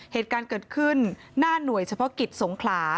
เหตุการณ์เกิดขึ้นหน้าหน่วยเฉพาะกิจสงขลา